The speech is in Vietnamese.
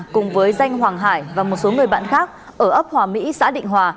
cùng với danh hoàng hải và một số người bạn khác ở ấp hòa mỹ xã định hòa